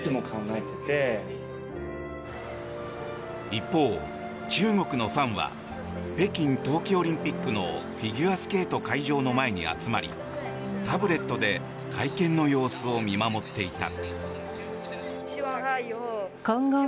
一方、中国のファンは北京冬季オリンピックのフィギュアスケート会場の前に集まり、タブレットで会見の様子を見守っていた。